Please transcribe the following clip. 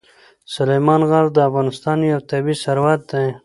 سلیمان غر د افغانستان یو طبعي ثروت دی.